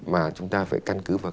mà chúng ta phải căn cứ vào